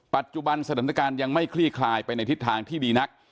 ปัจจุบันสถานการณ์ยังไม่คลี่คลายไปในทิศทางที่ดีนัก